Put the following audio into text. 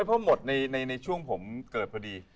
เพราะหมดในช่วงผมเกิดพอดี